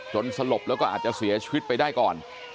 สลบแล้วก็อาจจะเสียชีวิตไปได้ก่อน